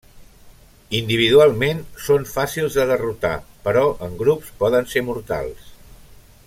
Individualment són fàcils de derrotar, però en grups poden ser mortals.